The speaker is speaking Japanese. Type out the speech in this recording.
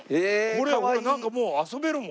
これなんかもう遊べるもんこれ。